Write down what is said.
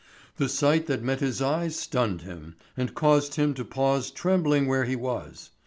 The sight that met his eyes stunned him, and caused him to pause trembling where he was.